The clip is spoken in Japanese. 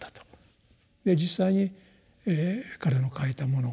実際に彼の書いたもの